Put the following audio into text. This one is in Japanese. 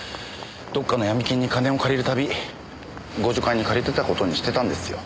どっかのヤミ金に金を借りるたび互助会に借りてた事にしてたんですよ。